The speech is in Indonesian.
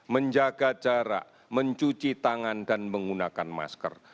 menjaga jarak mencuci tangan dan menggunakan masker